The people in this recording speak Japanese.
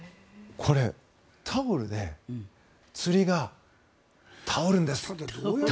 これ、タオルでつりが、たおるんです。